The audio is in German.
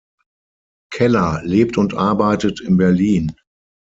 Keller lebt und arbeitet in Berlin.